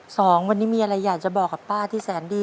สองวันนี้มีอะไรอยากจะบอกกับป้าที่แสนดี